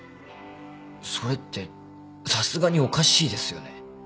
それってさすがにおかしいですよね？